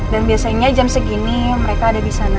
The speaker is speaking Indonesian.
dan biasanya jam segini mereka ada disana